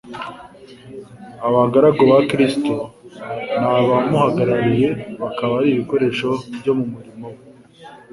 Abagaragu ba Kristo ni abamuhagarariye bakaba ari ibikoresho byo mu murimo we;